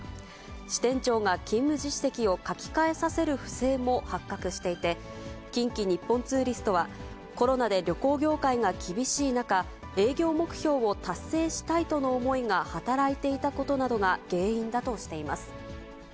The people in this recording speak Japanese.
支店長が勤務実績を書き換えさせる不正も発覚していて、近畿日本ツーリストは、コロナで旅行業界が厳しい中、営業目標を達成したいとの思いが働いていたことなどが原因だとしています。